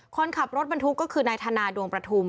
คนขับรถบรรทุกก็คือนายธนาดวงประทุม